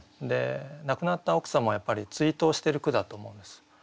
亡くなった奥様をやっぱり追悼してる句だと思うんです。